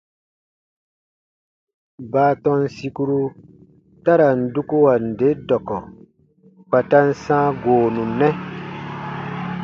Baatɔn sìkuru ta ra n dukuwa nde dɔkɔ kpa ta n sãa goonu nɛ.